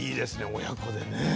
親子でね。